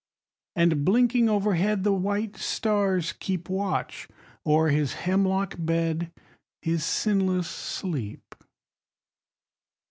And blinking overhead the white stars keep Watch o'er his hemlock bed his sinless sleep.